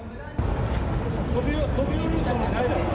飛び降りるとかないだろうな。